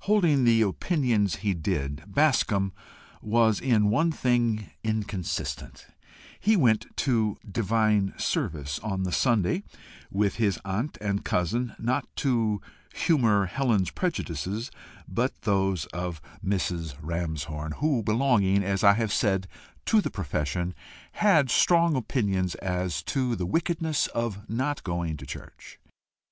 Holding the opinions he did, Bascombe was in one thing inconsistent: he went to "divine service" on the Sunday with his aunt and cousin not to humour Helen's prejudices, but those of Mrs. Ramshorn, who, belonging, as I have said, to the profession, had strong opinions as to the wickedness of not going to church.